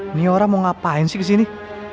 ini orang mau ngapain sih kesini